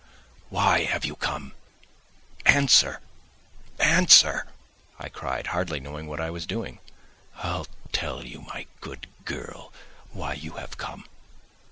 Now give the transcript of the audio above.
"Why have you come? Answer, answer," I cried, hardly knowing what I was doing. "I'll tell you, my good girl, why you have come.